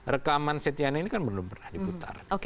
rekaman setiana ini kan belum pernah di putar